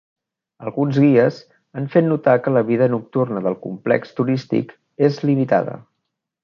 Alguns guies han fet notar que la vida nocturna del complex turístic és limitada.